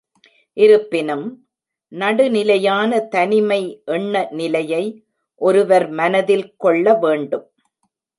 இருப்பினும், நடுநிலையான தனிமை எண்ண நிலையை ஒருவர் மனதில் கொள்ள வேண்டும்.